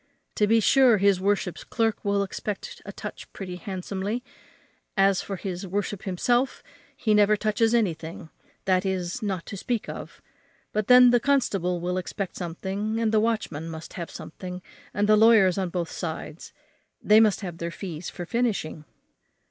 To be sure his worship's clerk will expect to touch pretty handsomely; as for his worship himself, he never touches anything, that is, not to speak of; but then the constable will expect something, and the watchman must have something, and the lawyers on both sides, they must have their fees for finishing."